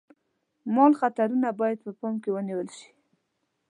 مال خطرونه باید په پام کې ونیول شي.